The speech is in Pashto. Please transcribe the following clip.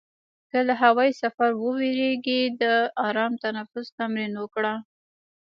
که له هوایي سفر وېرېږې، د آرام تنفس تمرین وکړه.